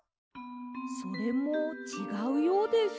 それもちがうようです。